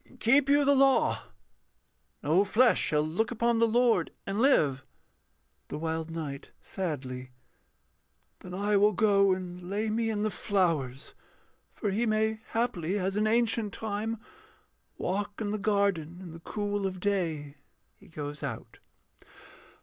Keep you the law No flesh shall look upon the Lord and live. THE WILD KNIGHT [sadly]. Then I will go and lay me in the flowers, For He may haply, as in ancient time, Walk in the garden in the cool of day. [_He goes out.